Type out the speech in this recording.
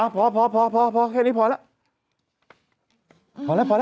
พอแค่นี้พอแล้ว